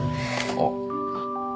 あっ。